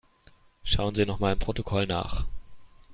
Schauen Sie noch mal im Protokoll nach.